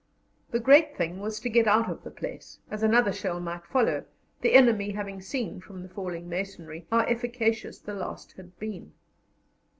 The great thing was to get out of the place, as another shell might follow, the enemy having seen, from the falling masonry, how efficacious the last had been.